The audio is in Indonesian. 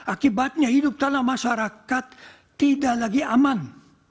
akibatnya hidup dalam masyarakat tidak lagi aman